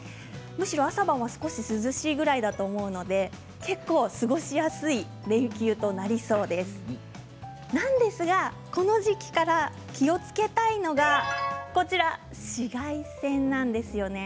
むしろ朝晩は少し涼しいくらいだと思うので結構、過ごしやすい連休となりそうなんですがこの時期から気をつけたいのが紫外線なんですよね。